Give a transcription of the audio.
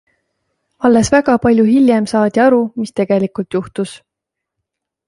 Alles väga palju hiljem saadi aru, mis tegelikult juhtus.